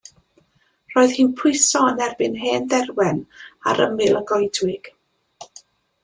Roedd hi'n pwyso yn erbyn hen dderwen ar ymyl y goedwig.